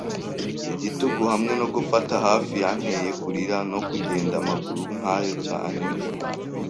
igitugu hamwe no gufata hafi yanteye kurira, no kugenda amaguru nkayo cyane